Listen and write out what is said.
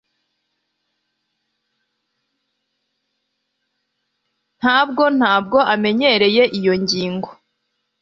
ntabwo ntabwo amenyereye iyo ngingo